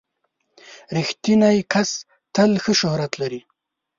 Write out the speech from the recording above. • رښتینی کس تل ښه شهرت لري.